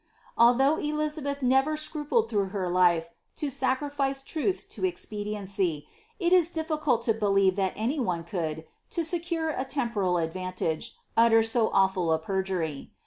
* Although Elizabeth never scrupled throaghont her life to pacrifice truth to expediency, it is difficult to be lieve that any one could, to secure a temporal advantage, utter so awful a peijury.